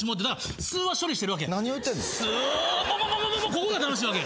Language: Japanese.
ここが楽しいわけ。